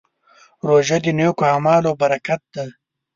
روژه د نېکو اعمالو برکت دی.